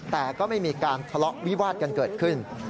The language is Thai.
แต่ก็ไม่มีการทะเลาะวิวาดกันเกิดขึ้น